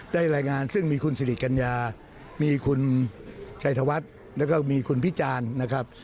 รายงานซึ่งมีคุณสิริกัญญามีคุณชัยธวัฒน์แล้วก็มีคุณพิจารณ์นะครับ